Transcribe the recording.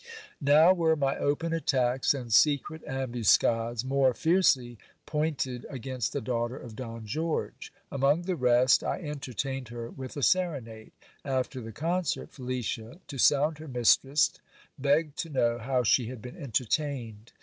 Now were my open attacks and secret ambuscades more fiercely pointed against the daughter of Don George. Among the rest, I entertained her with a serenade. After the concert Felicia, to sound her mistress, begged to know how she had been entertained.